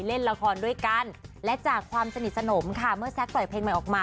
เล่นละครด้วยกันและจากความสนิทสนมค่ะเมื่อแซคปล่อยเพลงใหม่ออกมา